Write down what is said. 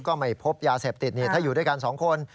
ก็ไม่พบยาเสพติดนี่ถ้าอยู่ด้วยกัน๒คน